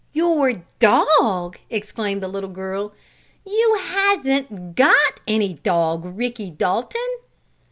"Your dog!" exclaimed the little girl. "You hasn't got any dog, Ricky Dalton!"